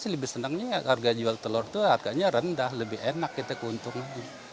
lebih senangnya harga jual telur itu harganya rendah lebih enak kita keuntungan